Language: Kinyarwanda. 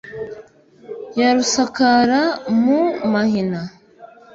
Ya rusakara mu mahina,